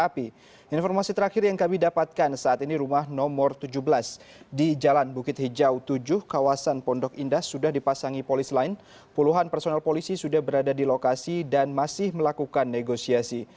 puluhan personel polisi sudah berada di lokasi dan masih melakukan negosiasi